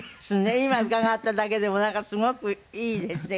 今伺っただけでもなんかすごくいいですね感じが。